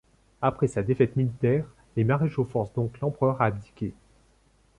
Après sa défaite militaire, les maréchaux forcent donc l'Empereur à abdiquer.